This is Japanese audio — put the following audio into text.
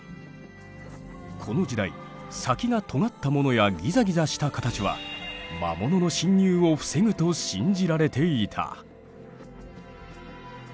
この時代先がとがったものやギザギザした形は魔物の侵入を防ぐと信じられていた。